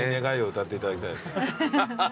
歌っていただきたい。